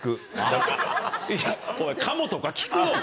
いやお前カモとかきくのか？